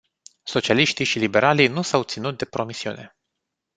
Socialiștii și liberalii nu s-au ținut de promisiune.